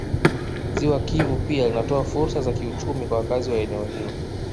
Ziwa Kivu pia linatoa fursa za kiuchumi kwa wakazi wa eneo hilo